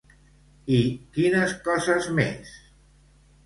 I quines coses més?